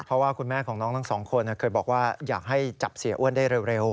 เพราะว่าคุณแม่ของน้องทั้งสองคนเคยบอกว่าอยากให้จับเสียอ้วนได้เร็ว